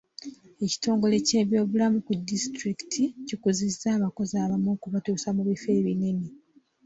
Ekitongole ky'ebyobulamu ku disitulikiti kikuzizza abakozi abamu okubatuusa mu bifo ebinene.